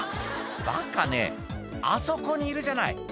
「バカねあそこにいるじゃない」